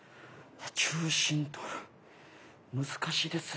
中心とる難しいです。